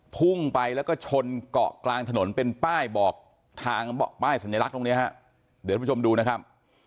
พุ่งไปแล้วก็ชนเกาะกลางถนนเป็นป้ายบอกทางป้ายสัญลักษณ์ตรงเนี้ยฮะเดี๋ยวท่านผู้ชมดูนะครับ